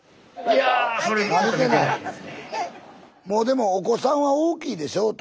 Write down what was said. もうでもお子さんは大きいでしょ？